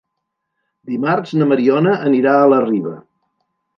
Dimarts na Mariona anirà a la Riba.